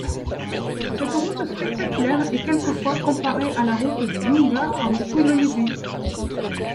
Cette route spectaculaire est quelquefois comparée à la route des Yungas en Bolivie.